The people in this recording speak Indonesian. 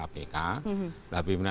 maksudnya adalah pimpinan kpk